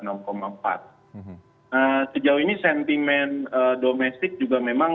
nah sejauh ini sentimen domestik juga memang